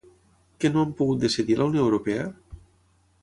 Què no han pogut decidir a la Unió Europea?